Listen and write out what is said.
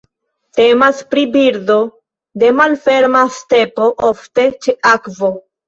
Temas pri birdo de malferma stepo, ofte ĉe akvo.